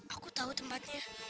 aku tahu tempatnya